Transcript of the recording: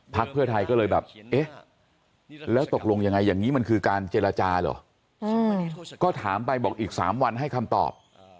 เพื่อไทยก็เลยแบบเอ๊ะแล้วตกลงยังไงอย่างนี้มันคือการเจรจาเหรอก็ถามไปบอกอีก๓วันให้คำตอบ